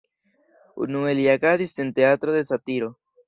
Unue li agadis en Teatro de satiro.